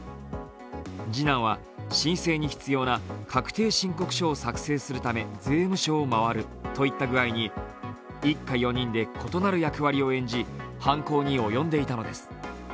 次男は申請に必要な確定申告書を作成するため税務署を回るといったぐあいに一家４人で異なる役割を演じ犯行に及んでいたのです。